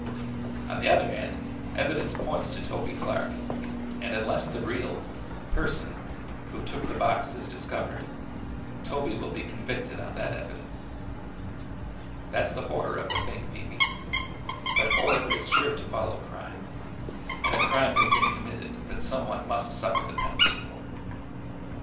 "On the other hand, evidence points to Toby Clark, and unless the real person who took the box is discovered, Toby will be convicted on that evidence. That's the horror of the thing, Phoebe; but horror is sure to follow crime, and a crime has been committed that some one must suffer the penalty for.